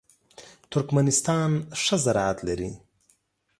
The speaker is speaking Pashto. ترکمنستان ښه زراعت لري.